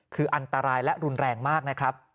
คืออันตรายและรุนแรงมากนะครับ